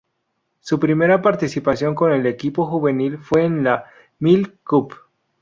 Su primera participación con el equipo juvenil fue en la Milk Cup.